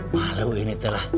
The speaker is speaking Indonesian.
malu ini telah